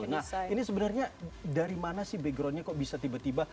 nah ini sebenarnya dari mana sih backgroundnya kok bisa tiba tiba